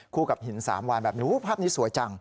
กับหินสามวานแบบนี้ภาพนี้สวยจัง